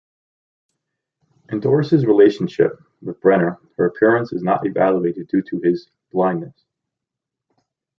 In Doris's Relationship with Brenner, her appearance is not evaluated due to his blindness.